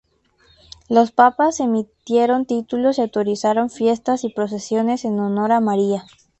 Los papas emitieron títulos y autorizaron fiestas y procesiones en honor a María.